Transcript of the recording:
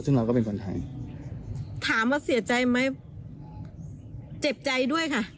ซึ่งเราก็เป็นคนไทยถามว่าเสียใจไหมเจ็บใจด้วยค่ะ